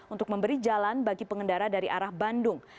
untuk memberi jalan bagi pengendara dari arah bandung